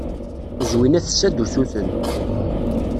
Zwina tessa-d usuten.